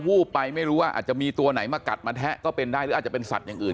วูบไปไม่รู้ว่าอาจจะมีตัวไหนมากัดมาแทะก็เป็นได้หรืออาจจะเป็นสัตว์อย่างอื่น